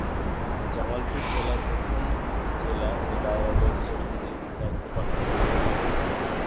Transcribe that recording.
জামালপুর জেলার প্রথম জেলা ও দায়রা জজ হিসেবে তিনি দায়িত্ব পালন করেন।